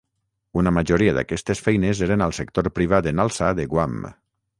Una majoria d'aquestes feines eren al sector privat en alça de Guam.